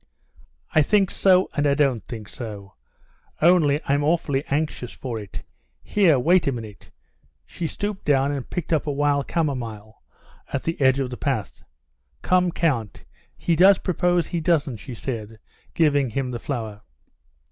"I think so, and I don't think so. Only, I'm awfully anxious for it. Here, wait a minute." She stooped down and picked a wild camomile at the edge of the path. "Come, count: he does propose, he doesn't," she said, giving him the flower.